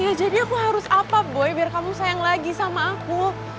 ya jadi aku harus apa boy biar kamu sayang lagi sama aku